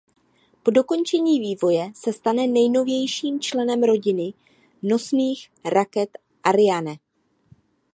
Po dokončení vývoje se stane nejnovějším členem rodiny nosných raket Ariane.